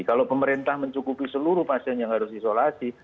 kalau pemerintah mencukupi seluruh pasien yang harus isolasi